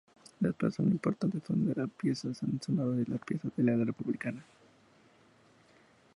Las plazas más importantes son la Piazza Sannazaro y la Piazza della Repubblica.